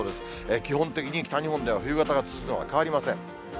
基本的に北日本では冬型が続くのは変わりません。